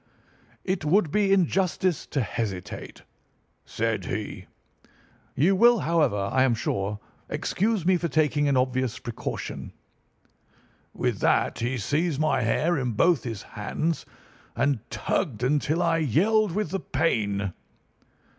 "'It would be injustice to hesitate,' said he. 'You will, however, I am sure, excuse me for taking an obvious precaution.' With that he seized my hair in both his hands, and tugged until I yelled with the pain.